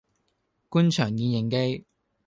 官場現形記